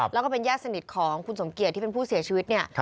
แล้วก็เป็นญาติสนิทของคุณสมเกียจที่เป็นผู้เสียชีวิตเนี่ย